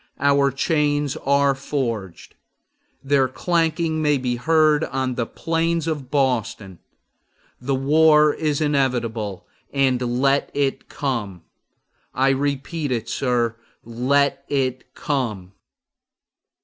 Our chains are forged. Their clanking may be heard on the plains of Boston! The war is inevitable, and let it come! I repeat, it, sir, let it come!